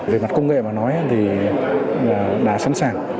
về mặt công nghệ mà nói thì đã sẵn sàng